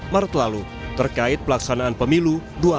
dua belas maret lalu terkait pelaksanaan pemilu dua ribu dua puluh empat